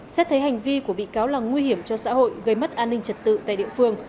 xét thấy hành vi của bị cáo là nguy hiểm cho xã hội gây mất an ninh trật tự tại địa phương